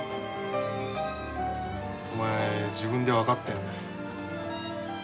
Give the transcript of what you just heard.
お前自分で分かってるんだ。